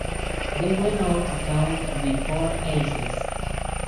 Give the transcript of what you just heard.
They went on to found The Four Aces.